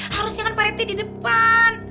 harusnya kan pariti di depan